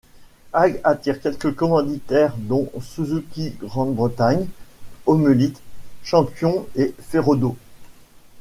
Agg attire quelques commanditaires dont Suzuki-Grande-Bretagne, Homelite, Champion et Ferodo.